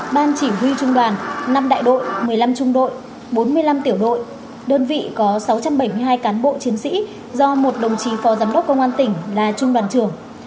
ban chỉ huy trung đoàn năm đại đội một mươi năm trung đội bốn mươi năm tiểu đội đơn vị có sáu trăm bảy mươi hai cán bộ chiến sĩ do một đồng chí phó giám đốc công an tỉnh là trung đoàn trưởng